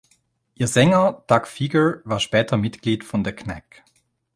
Ihr Sänger Doug Fieger war später Mitglied von The Knack.